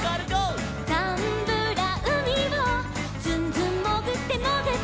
「ザンブラうみをずんずんもぐってもぐって」